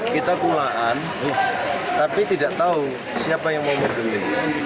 kita pulaan tapi tidak tahu siapa yang mau berbeli